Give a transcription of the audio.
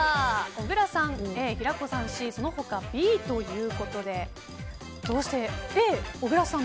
小倉さん、Ａ平子さん、Ｃその他ＢということでＡ、小倉さん